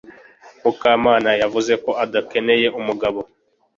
Mukamana yavuze ko adakeneye umugabo